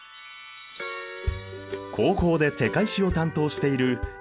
高校で世界史を担当している山本先生。